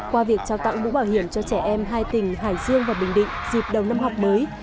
qua việc trao tặng mũ bảo hiểm cho trẻ em hai tỉnh hải dương và bình định dịp đầu năm học mới